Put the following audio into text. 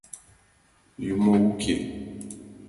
— Юмо уке.